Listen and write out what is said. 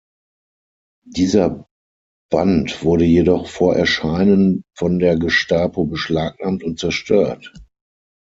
Dieser Band wurde jedoch vor Erscheinen von der Gestapo beschlagnahmt und zerstört.